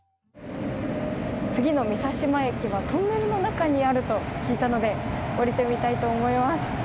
次の美佐島駅はトンネルの中にあると聞いたので降りてみたいと思います。